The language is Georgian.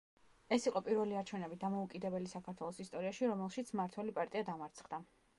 ეს იყო პირველი არჩევნები დამოუკიდებელი საქართველოს ისტორიაში, რომელშიც მმართველი პარტია დამარცხდა.